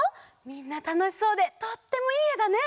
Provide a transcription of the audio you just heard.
みんなたのしそうでとってもいいえだね。